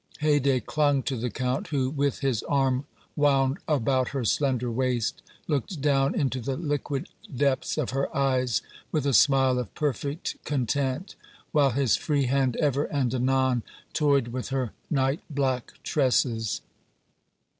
Haydée clung to the Count, who, with his arm wound about her slender waist, looked down into the liquid depths of her eyes with a smile of perfect content, while his free hand ever and anon toyed with her night black tresses.